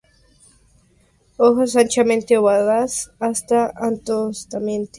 Hojas anchamente ovadas hasta angostamente triangulares, enteras o crenado-dentadas, con pecíolos largos o cortos.